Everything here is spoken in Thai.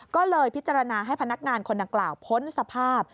ก็เลยพิจารณาให้พนักงานคนดังกล่าวพ้นสภาพ